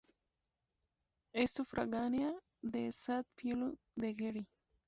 Es sufragánea de Sant Feliu de Gerri.